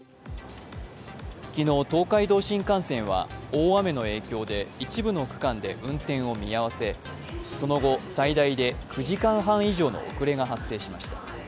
昨日、東海道新幹線は大雨の影響で一部の区間で運転を見合わせ、その後、最大で９時間半以上の遅れが発生しました。